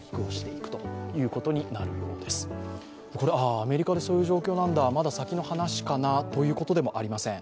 アメリカでそういう状況なんだまだ先の話なのかなということでもありません。